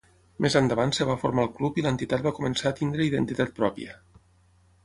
Més endavant es va formar el club i l'entitat va començar a tenir identitat pròpia.